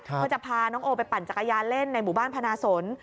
ก็จะพาน้องโอไปปั่นจักรยานเล่นในหมู่บ้านพนาสน